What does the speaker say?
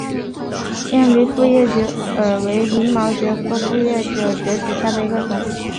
漾濞复叶耳蕨为鳞毛蕨科复叶耳蕨属下的一个种。